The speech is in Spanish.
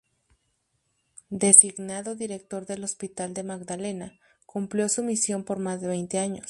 Designado Director del Hospital de Magdalena, cumplió su misión por más de veinte años.